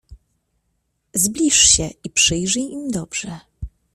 "Zbliż się i przyjrzyj im dobrze!"